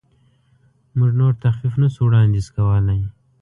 موږ نور تخفیف نشو وړاندیز کولی.